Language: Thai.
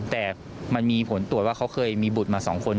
แต่มันมีผลตรวจว่าเขาเคยมีบุตรมา๒คน